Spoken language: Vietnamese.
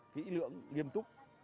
kỹ lưỡng nghiêm túc